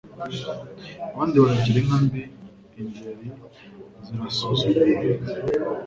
Abandi baragira inka mbi Ingeri zirasuzugura